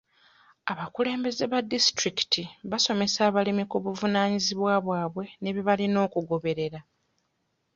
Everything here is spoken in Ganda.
Abakulembeze ba disitulikiti baasomesa abalimi ku buvanaanyizibwa bwabwe ne bye balina okugoberera.